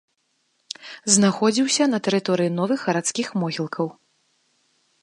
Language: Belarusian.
Знаходзіўся на тэрыторыі новых гарадскіх могілкаў.